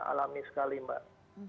alami sekali mbak